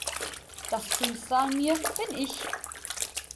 Das Schönste an mir bin ich.